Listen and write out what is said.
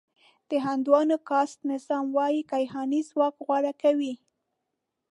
د هندوانو کاسټ نظام وايي کیهاني ځواک غوره کوي.